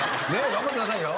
頑張ってくださいよ。